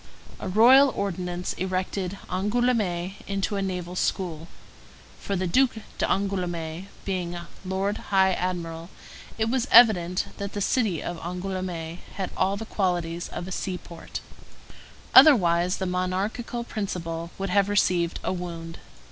A royal ordinance erected Angoulême into a naval school; for the Duc d'Angoulême, being lord high admiral, it was evident that the city of Angoulême had all the qualities of a seaport; otherwise the monarchical principle would have received a wound.